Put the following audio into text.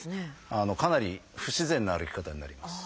かなり不自然な歩き方になります。